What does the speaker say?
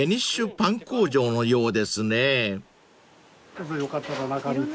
どうぞよかったら中に。